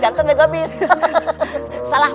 kakanda bilang mereka sakti